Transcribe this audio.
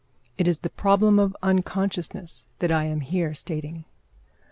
It is the problem of unconsciousness that I am here stating.